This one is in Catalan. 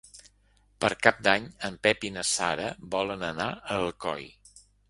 Per Cap d'Any en Pep i na Sara volen anar a Alcoi.